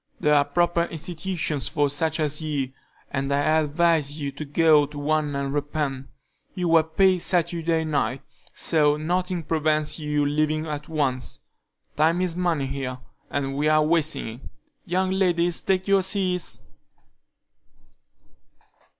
There are proper institutions for such as you, and I advise you to go to one and repent. You were paid Saturday night, so nothing prevents your leaving at once. Time is money here, and we are wasting it. Young ladies, take your seats."